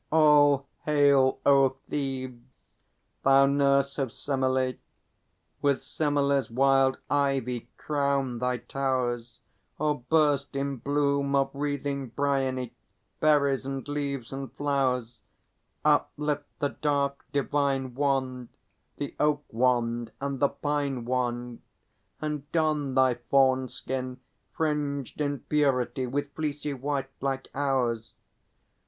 _ All hail, O Thebes, thou nurse of Semelê! With Semelê's wild ivy crown thy towers; Oh, burst in bloom of wreathing bryony, Berries and leaves and flowers; Uplift the dark divine wand, The oak wand and the pine wand, And don thy fawn skin, fringed in purity With fleecy white, like ours.